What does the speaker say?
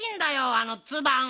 あのツバン。